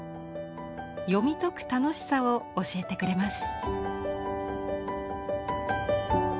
読み解く楽しさを教えてくれます。